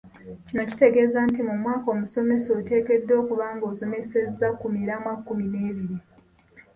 Kino kitegeeza nti mu mwaka omusomesa oteekeddwa okuba nga osomesezza ku miramwa kkumi n’ebiri.